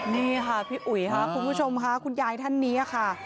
นี่ค่ะพี่อุ๋ยค่ะคุณผู้ชมค่ะคุณยายท่านนี้ค่ะ